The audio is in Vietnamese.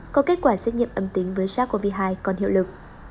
có kết quả xét nghiệm âm tính với sars cov hai còn hiệu lực